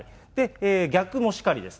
逆もしかりです。